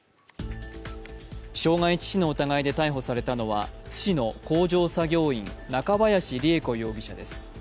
傷害致死の疑いで逮捕されたのは津市の工場作業員中林りゑ子容疑者です。